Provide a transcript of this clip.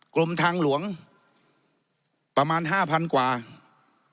กลมทางหลวงประมาณห้าพันกว่าล้านนะครับ